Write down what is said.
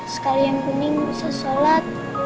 sekali yang bening bisa sholat